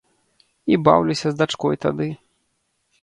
І баўлюся з дачкой тады.